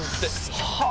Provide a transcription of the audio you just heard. はあ！